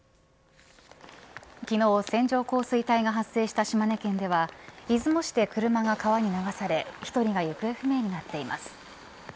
昨日、線状降水帯が発生した島根県では出雲市で車が川に流され１人が行方不明になっています。